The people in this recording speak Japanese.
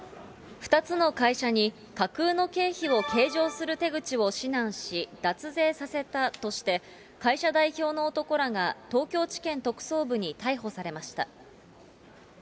２つの会社に架空の経費を計上する手口を指南し、脱税させたとして、会社代表の男らが東京地検特捜部に逮捕されました。